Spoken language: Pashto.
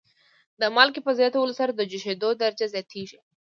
د مالګې په زیاتولو سره د جوشیدو درجه زیاتیږي.